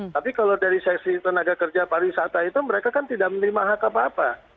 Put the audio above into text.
tapi kalau dari seksi tenaga kerja pariwisata itu mereka kan tidak menerima hak apa apa